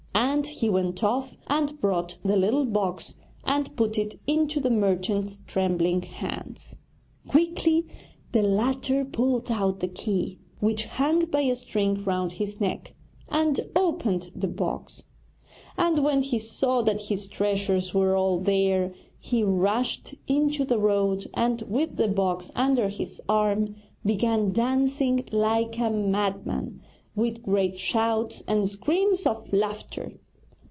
And he went off and brought the little box and put it into the merchant's trembling hands. Quickly the latter pulled out the key, which hung by a string round his neck, and opened the box; and when he saw that his treasures were all there he rushed into the road, and, with the box under his arm, began dancing like a madman, with great shouts and screams of laughter.